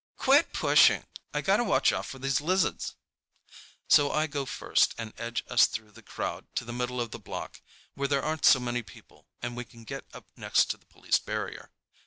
"QUIT PUSHING! I got to watch out for these lizards!" So I go first and edge us through the crowd to the middle of the block, where there aren't so many people and we can get up next to the police barrier.